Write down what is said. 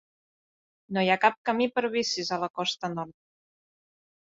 No hi ha cap camí per bicis a la costa nord.